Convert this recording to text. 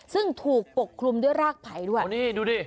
ซึ่งถูกปกคลุมด้วยรากไผ่ด้วย